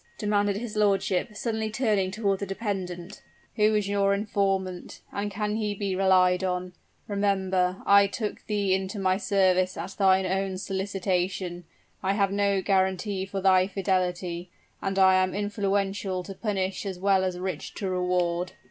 demanded his lordship, suddenly turning toward the dependent; "who is your informant and can he be relied on? Remember I took thee into my service at thine own solicitation I have no guarantee for thy fidelity, and I am influential to punish as well as rich to reward!"